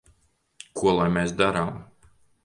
Ko lai mēs darām?